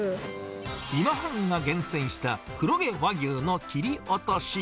今半が厳選した黒毛和牛の切り落とし。